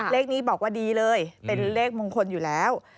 เลขนี้บอกว่าดีเลยเป็นเลขมงคลอยู่แล้ว